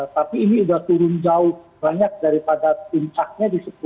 tapi ini udah turun jauh banyak daripada pincaknya di sepuluh enam gitu